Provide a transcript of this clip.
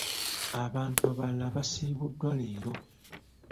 Abantu abalala baasibidwa leero.